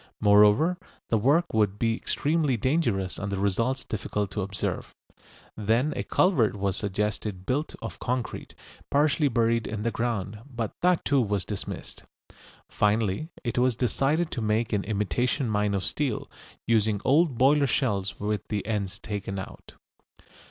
Moreover, the work would be extremely dangerous and the results difficult to observe. Then a culvert was suggested built of concrete, partly buried in the ground, but that too was dismissed. Finally it was decided to make an imitation mine of steel, using old boiler shells with the ends taken out.